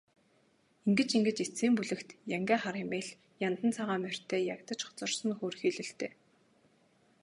Ингэж ингэж эцсийн бүлэгт янгиа хар эмээл, яндан цагаан морьтой ягдаж хоцорсон нь хөөрхийлөлтэй.